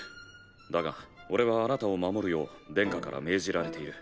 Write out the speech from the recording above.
だが俺はあなたを守るよう殿下から命じられている。